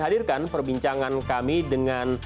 hadirkan perbincangan kami dengan